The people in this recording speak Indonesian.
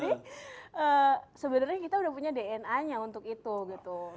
jadi sebenarnya kita udah punya dna nya untuk itu gitu